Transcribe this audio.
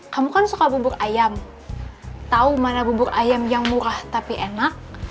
kamu kan suka bubur ayam tahu mana bubur ayam yang murah tapi enak